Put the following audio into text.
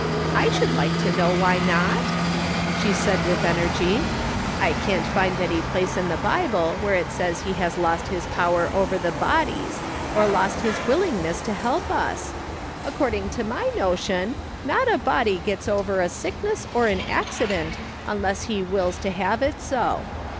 " I should like to know wliy not," she said with energy ;" I can't find any place in the Bible where it says he has lost his power over the bodies, or lost his willingness to help us. According to my notion, not a body gets over a sickness or an accident unless he wills to have it so.